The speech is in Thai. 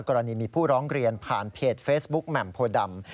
กรณีมีผู้ร้องเรียนผ่านเพจเฟซบุ๊กแหม่มโพดำ